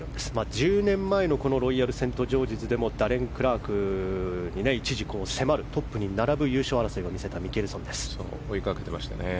１０年前のロイヤルセントジョージズでもダレン・クラークに一時迫る優勝争いを見せたミケルソンです。